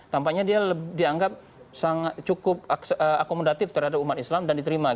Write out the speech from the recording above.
tampaknya dia dianggap cukup akomodatif terhadap umat islam dan diterima